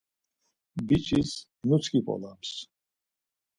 Biç̌is nusǩip̌olams.